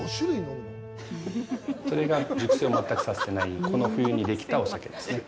それが熟成を全くさせてない、この冬にできたお酒ですね。